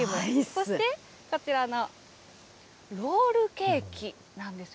そしてこちらのロールケーキなんですよ。